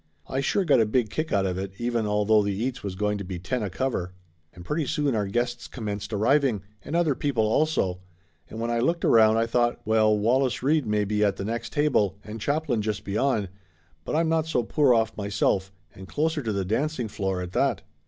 I sure got a big kick out of it, even although the eats was going to be ten a cover. And pretty soon our guests commenced arriving, and other people also, and when I looked around I thought, well, Wallace Reid may be at the next table and Chaplin just beyond, but I'm not so poor off myself, and closer to the dancing floor, at that!